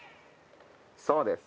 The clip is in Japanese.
そうです。